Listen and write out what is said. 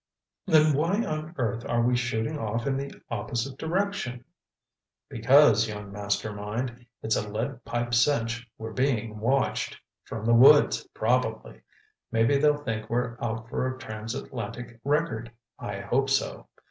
'" "Then why on earth are we shooting off in the opposite direction?" "Because, young Master Mind, it's a lead pipe cinch we're being watched—from the woods, probably. Maybe they'll think we're out for a transatlantic record—I hope so.